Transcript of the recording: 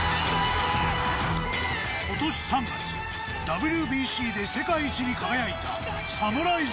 今年３月ＷＢＣで世界一に輝いた侍ジャパン。